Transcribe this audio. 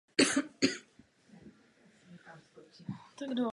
Jsou plánovány i linky metra.